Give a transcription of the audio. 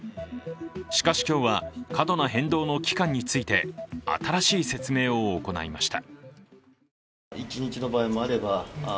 しかし今日は過度な変動の期間について新しい説明を行いました。